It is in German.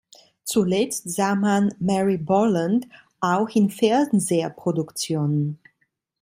Zuletzt sah man Mary Boland auch in Fernsehproduktionen.